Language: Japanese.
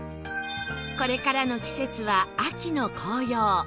これからの季節は秋の紅葉